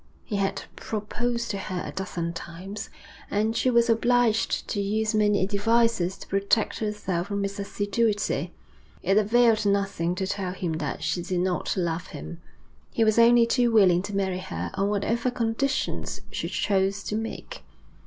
He had proposed to her a dozen times, and she was obliged to use many devices to protect herself from his assiduity. It availed nothing to tell him that she did not love him. He was only too willing to marry her on whatever conditions she chose to make.